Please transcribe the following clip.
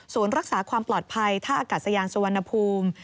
รักษาความปลอดภัยท่าอากาศยานสุวรรณภูมิ